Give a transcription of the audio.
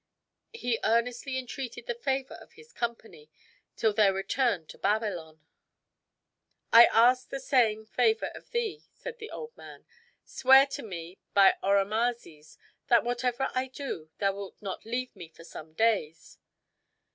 He earnestly entreated the favor of his company till their return to Babylon. "I ask the same favor of thee," said the old man; "swear to me by Oromazes, that whatever I do, thou wilt not leave me for some days."